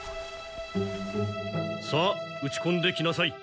さあ打ちこんできなさい。